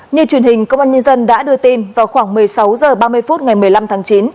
như truyền hình công an nhân dân đã đưa tin vào khoảng một mươi sáu h ba mươi phút ngày một mươi năm tháng chín